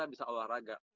kita bisa olahraga